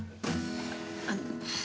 あの。